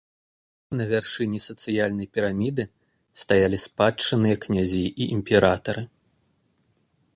На вяршыні сацыяльнай піраміды стаялі спадчынныя князі і імператары.